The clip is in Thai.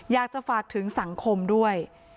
อยากจะฝากถึงสังคมด้วย